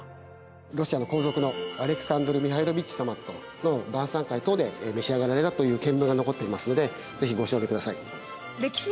ロシアの皇族のアレクサンドル・ミハイロヴィチ様の晩さん会等で召し上がられたという件名が残っていますのでぜひご賞味ください。